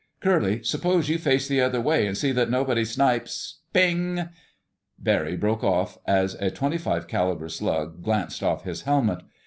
Curly, suppose you face the other way and see that nobody snipes—" PING! Barry broke off as a .25 caliber slug glanced off his helmet.